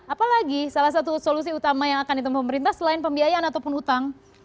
apalagi salah satu solusi utama yang akan ditemukan pemerintah selain pembiayaan ataupun utang